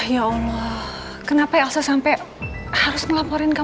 ya allah kenapa elsa sampai harus ngelaporin kamu ke aku